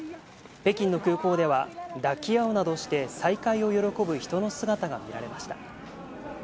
北京の空港では抱き合うなどして再会を喜ぶ人の姿が見られました。